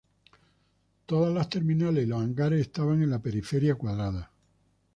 Todas las terminales y los hangares estaban en la periferia cuadrada.